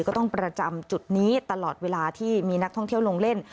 ก็ต้องประจำจุดนี้ตลอดเวลาที่มีนักท่องเที่ยวลงเล่น